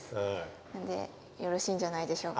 なのでよろしいんじゃないでしょうか？